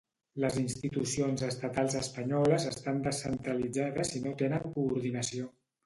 Les institucions estatals espanyoles estan descentralitzades i no tenen coordinació